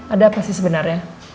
ada apa sih sebenarnya